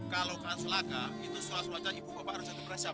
kalau kan sulaka itu sulat sulatnya ibu bapak harus yang diberesap